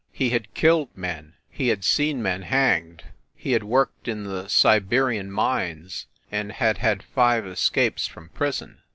He had killed men he had seen men hanged, he had worked in the Siberian mines, and had had five es capes from prison.